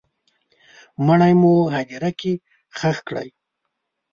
مړی مو هدیره کي ښخ کړی